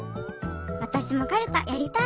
わたしもカルタやりたい。